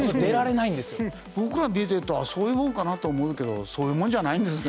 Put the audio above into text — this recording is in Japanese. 僕ら聞いてるとそういうもんかなと思うけどそういうもんじゃないんですね。